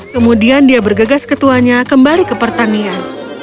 kemudian dia bergegas ke tuannya kembali ke pertanian